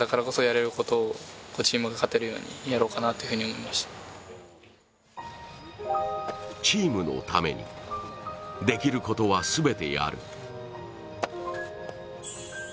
それでもチームのためにできることは全てやる。